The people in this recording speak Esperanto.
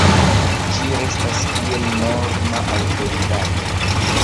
Ĝi restas kiel norma aŭtoritato.